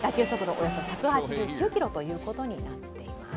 およそ１８９キロということになっています。